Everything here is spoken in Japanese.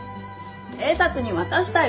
警察に渡したよ。